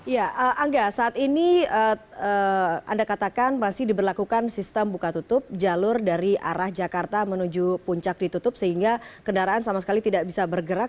ya angga saat ini anda katakan masih diberlakukan sistem buka tutup jalur dari arah jakarta menuju puncak ditutup sehingga kendaraan sama sekali tidak bisa bergerak